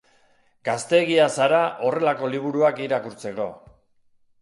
Gazteegia zara horrelako liburuak irakurtzeko.